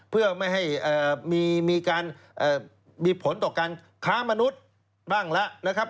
เพื่อไม่ให้มีการมีผลต่อการค้ามนุษย์บ้างแล้วนะครับ